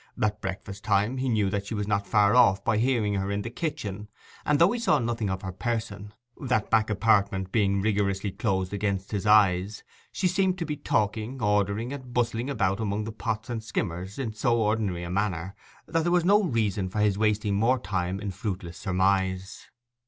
At breakfast time he knew that she was not far off by hearing her in the kitchen, and though he saw nothing of her person, that back apartment being rigorously closed against his eyes, she seemed to be talking, ordering, and bustling about among the pots and skimmers in so ordinary a manner, that there was no reason for his wasting more time in fruitless surmise.